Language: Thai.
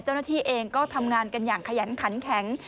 เจ้าหน้าที่เองก็ทำงานกันอย่างขยันขันแข็ง